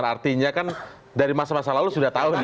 artinya kan dari masa masa lalu sudah tahu